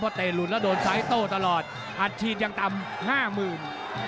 พอเตะหลุดดนไซโต้ตลอดอาทิตย์ยังตามห้าหมื่น